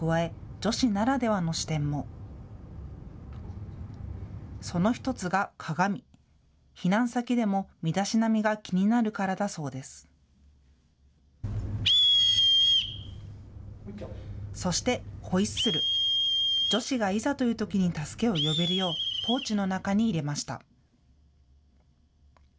女子がいざというときに助けを呼べるようポーチの中に入れました。